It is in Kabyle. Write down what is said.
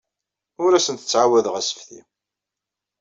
Ur asent-ttɛawadeɣ assefti.